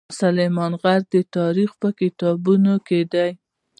سلیمان غر د تاریخ په کتابونو کې دی.